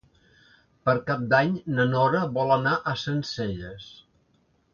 Per Cap d'Any na Nora vol anar a Sencelles.